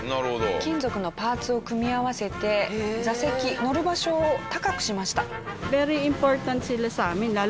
金属のパーツを組み合わせて座席乗る場所を高くしました。